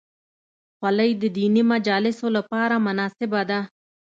خولۍ د دیني مجالسو لپاره مناسبه ده.